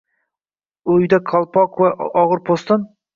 Uyda qo‘lqop va og‘ir po‘stin chiqqan.